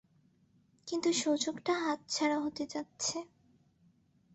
কিন্তু সুযোগটা হাতছাড়া হতে যাচ্ছে।